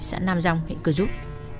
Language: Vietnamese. xã nam răng hệ cơ giúp